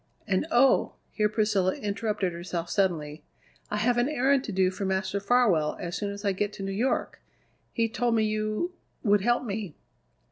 And oh!" here Priscilla interrupted herself suddenly "I have an errand to do for Master Farwell as soon as I get to New York. He told me you would help me."